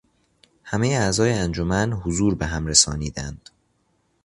همهٔ اعضای انجمن حضور بهم رسانیدند.